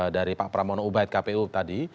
dari pak pramono ubaid kpu tadi